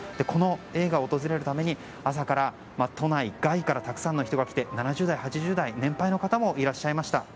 この映画を訪れるために朝から都内外からたくさんの人が来て７０代、８０代、年配の方もいらっしゃいました。